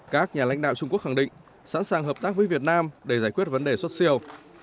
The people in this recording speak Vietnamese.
các nhà lãnh đạo trung quốc khẳng định sẵn sàng hợp tác với việt nam để giải quyết vấn đề xuất siêu